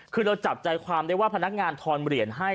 คือเราจับใจความได้ว่าพนักงานทอนเหรียญให้